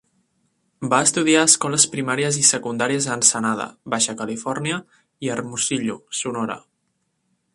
Va estudiar a escoles primàries i secundàries a Ensenada, Baixa Califòrnia i Hermosillo, Sonora.